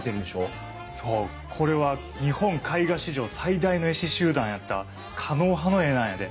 そうこれは日本絵画史上最大の絵師集団やった狩野派の絵なんやで。